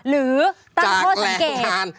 หรือตามโทษสังเกต